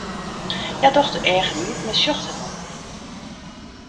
Hja docht de eagen iepen en sjocht him oan.